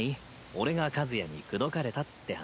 俺が和也に口説かれたって話。